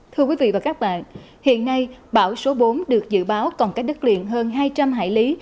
thưa quý vị và các bạn hiện nay bão số bốn được dự báo còn cách đất liền hơn hai trăm linh hải lý